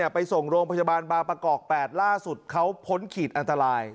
ไปส่งโรงพยาบาลบางประกอบ๘ล่าสุดเขาพ้นขีดอันตราย